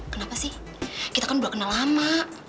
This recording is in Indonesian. kenapa sih kita kan belum kenal lama